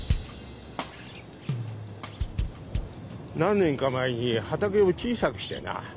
何年か前に畑を小さくしてな。